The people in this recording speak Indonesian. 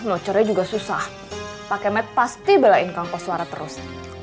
ngo core juga susah pakai mat pasti belain kampus suara terus